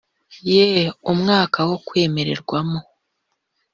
ye umwaka wo kwemererwamo